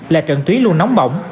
là trận túy luôn nóng bỏng